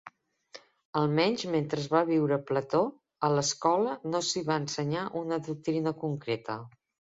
Almenys mentre va viure Plató, a l'escola no s'hi va ensenyar una doctrina concreta.